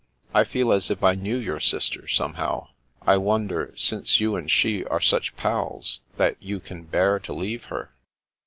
I feel as if I knew your sister, somehow. I wonder, since you and she are such pals, that you can bear to leave her."